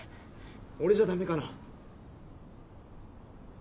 俺じゃダメかな？